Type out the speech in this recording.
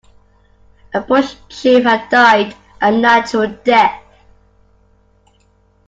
A bush chief had died a natural death.